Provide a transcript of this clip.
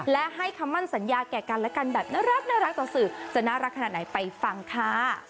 และให้คำมั่นสัญญาแก่กันและกันแบบน่ารักต่อสื่อจะน่ารักขนาดไหนไปฟังค่ะ